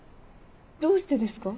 どうしてですか？